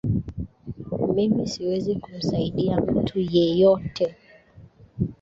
Mimi siwezi kumsaidia mtu yeyote